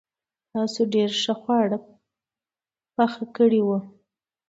تاسو ډېر ښه خواړه پخ کړي وو.